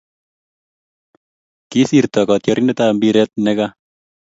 kisirto katrandiet ab mpiret ne kaa